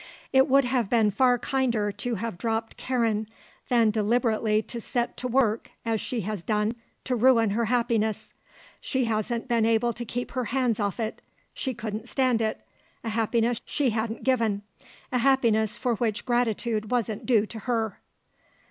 "It would have been far kinder to have dropped Karen than deliberately to set to work, as she has done, to ruin her happiness. She hasn't been able to keep her hands off it. She couldn't stand it a happiness she hadn't given; a happiness for which gratitude wasn't due to her."